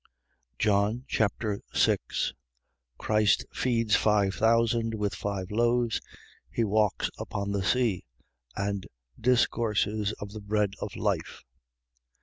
John Chapter 6 Christ feeds five thousand with five loaves. He walks upon the sea and discourses of the bread of life.